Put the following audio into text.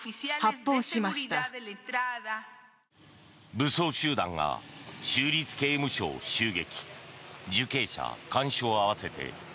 武装集団が州立刑務所を襲撃。